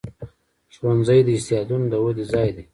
ښوونځی د استعدادونو د ودې ځای دی.